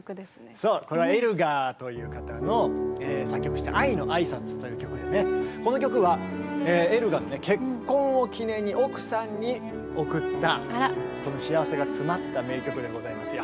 そうこれはエルガーという方の作曲した「愛のあいさつ」という曲でねこの曲はエルガーの結婚を記念に奥さんに贈った幸せがつまった名曲でございますよ。